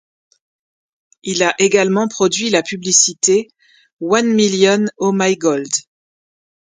Il a également produit la publicité One Million Eau my Gold.